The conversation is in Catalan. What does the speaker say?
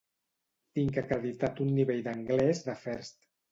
Tinc acreditat un nivell d'anglès de First.